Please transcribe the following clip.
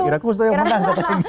irakusto yang menang